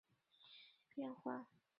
奥尔森瓦勒人口变化图示